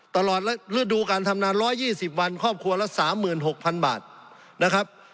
ตลอดฤดูการทำนาน๑๒๐วันครอบครัวละ๓๖๐๐๐บาทนะครับ